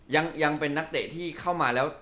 ยังเป็นนักเตะที่เข้ามาแล้ว